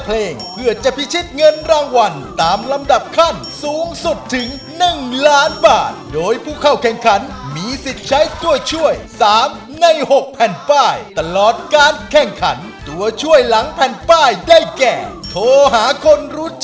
เลือกว่านายฟาดินเยอะหรืออะไรเท่านั้น